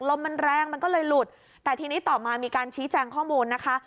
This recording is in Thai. ลมมันแรงมันก็เลยหลุดแต่ทีนี้ต่อมามีการชี้แจงข้อมูลนะคะ